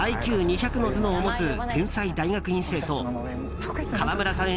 ＩＱ２００の頭脳を持つ天才大学院生と川村さん